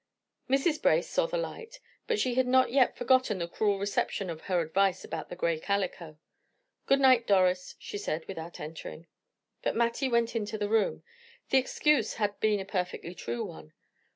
Mrs. Brace saw the light, but she had not yet forgotten the cruel reception of her advice about the gray calico. "Good night, Doris," she said, without entering. But Mattie went into the room. The excuse had been a perfectly true one.